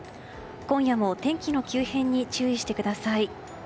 今夜も天気の急変に注意してください。